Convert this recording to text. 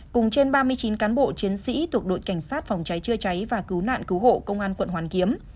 cùng trên ba mươi chín cán bộ chiến sĩ thuộc đội cảnh sát phòng cháy chữa cháy và cứu nạn cứu hộ công an quận hoàn kiếm